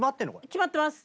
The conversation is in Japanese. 決まってます。